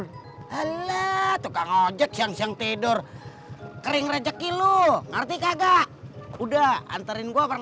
hai halat tukang ojek yang tidur kering rezeki lu ngerti kagak udah anterin gua